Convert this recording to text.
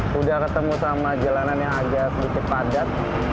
sudah ketemu sama jalanan yang agak sedikit padat